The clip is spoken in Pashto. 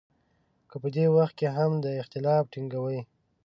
که په دې وخت کې هم دا اختلاف ټینګوي.